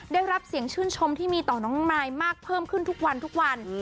ได้รับเสียงชื่นชมที่มีต่อน้องมายมากเพิ่มขึ้นทุกวันทุกวัน